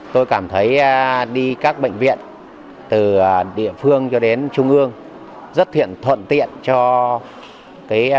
tôi cảm thấy đi các bệnh viện từ địa phương cho đến trung ương rất thuận tiện cho bệnh viện